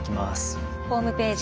ホームページ